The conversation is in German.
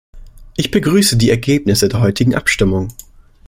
Ich begrüße die Ergebnisse der heutigen Abstimmung.